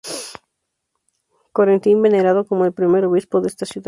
Corentin, venerado como el primer obispo de esta ciudad"